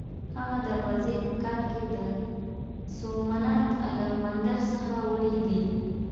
هغه دروازې یې په کال کې د سومنات له مندر څخه وړې دي.